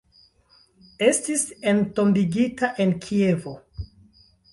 Estis entombigita en Kievo.